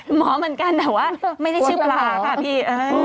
หมอเหมือนกันแต่ว่าไม่ได้ชื่อปลาค่ะพี่